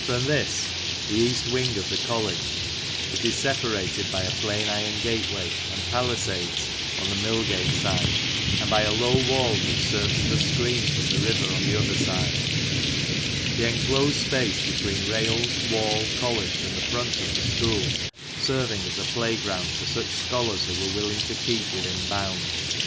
From this, the east wing of the College, it is separated by a plain iron gateway and palisades on the Millgate side, and by a low wall which serves as a screen from the river on the other side ; the enclosed space between rails, wall, College, and the front of the school serving as a playground for such scholars as were willing to keep within bounds.